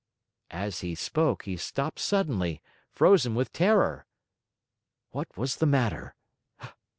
As he spoke, he stopped suddenly, frozen with terror. What was the matter?